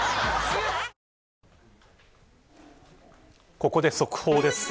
ここで速報です。